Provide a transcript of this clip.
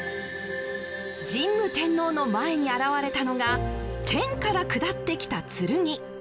神武天皇の前に現れたのが天から下ってきた剣。